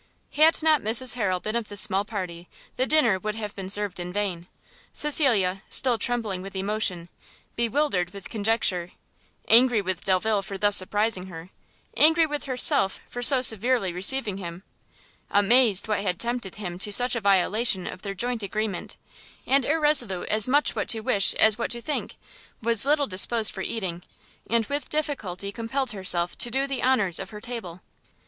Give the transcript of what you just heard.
Had not Mrs Harrel been of this small party, the dinner would have been served in vain; Cecilia, still trembling with emotion, bewildered with conjecture, angry with Delvile for thus surprising her, angry with herself for so severely receiving him, amazed what had tempted him to such a violation of their joint agreement, and irresolute as much what to wish as what to think, was little disposed for eating, and with difficulty compelled herself to do the honours of her table.